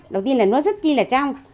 đầu tiên là nó rất là trong